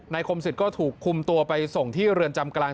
คมศิษย์ก็ถูกคุมตัวไปส่งที่เรือนจำกลาง